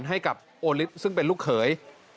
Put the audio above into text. ให้กับโอลิฟต์ซึ่งเป็นลูกเขย